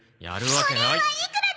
やるわけ。